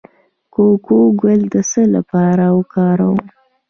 د کوکو ګل د څه لپاره وکاروم؟